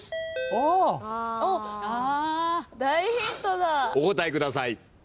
お答えください。